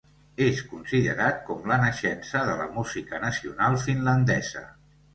És considerat com la naixença de la música nacional finlandesa.